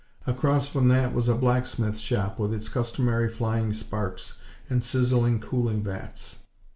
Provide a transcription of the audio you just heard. Across from that was a blacksmith shop, with its customary flying sparks and sizzling cooling vats.